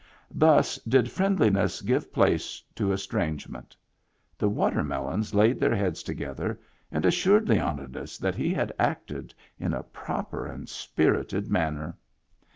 Thus did friendliness give place to estrange ment. The watermelons laid their heads together and assured Leonidas that he had acted in a proper and spirited manner.